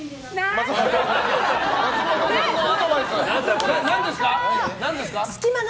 松本さんのアドバイスが。